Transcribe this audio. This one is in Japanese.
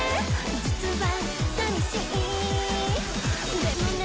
実は寂しいでもね